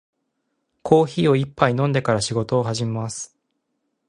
コーヒーを一杯飲んでから仕事を始めます。